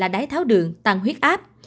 tái tháo đường tăng huyết áp